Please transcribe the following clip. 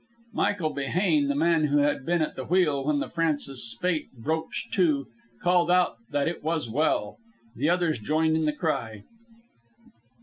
Michael Behane, the man who had been at the wheel when the Francis Spaight broached to, called out that it was well. The others joined in the cry.